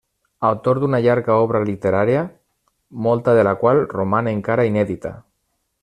Autor d'una llarga obra literària, molta de la qual roman encara inèdita.